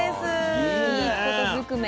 あいいこと尽くめ。